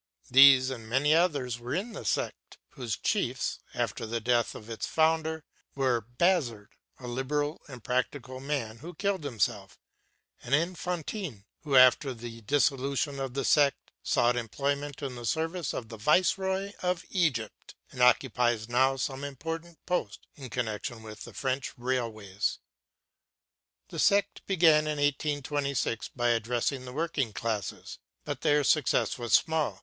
These and many others were in the sect; whose chiefs, after the death of its founder, were Bazard, a Liberal and a practical man, who killed himself; and Enfantin, who after the dissolution of the sect sought employment in the service of the Viceroy of Egypt, and occupies now some important post in connection with the French railways. The sect began in 1826 by addressing the working classes; but their success was small.